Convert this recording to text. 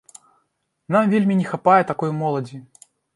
Нам вельмі не хапае такой моладзі.